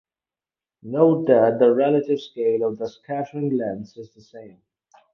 Note that the relative scale of the scattering lengths is the same.